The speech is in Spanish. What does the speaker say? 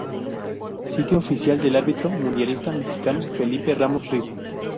Sitio Oficial del árbitro mundialista mexicano Felipe Ramos Rizo